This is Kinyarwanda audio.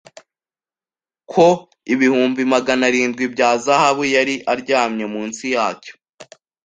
ko ibihumbi magana arindwi bya zahabu yari aryamye munsi yacyo